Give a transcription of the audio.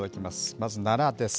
まず奈良です。